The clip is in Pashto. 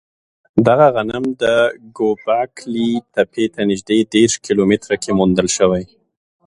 دغه غنم د ګوبک لي تپې ته نږدې دېرش کیلو متره کې موندل شوی.